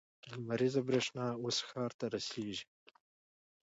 لمریزه برېښنا اوس ښار ته رسیږي.